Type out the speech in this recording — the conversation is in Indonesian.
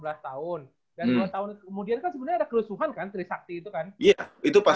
dan tahun kemudian kan sebenarnya ada kerusuhan kan trisakti itu kan